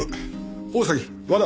大崎和田。